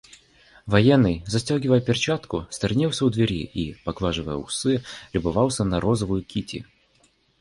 Военный, застегивая перчатку, сторонился у двери и, поглаживая усы, любовался на розовую Кити.